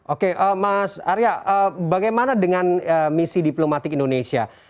oke mas arya bagaimana dengan misi diplomatik indonesia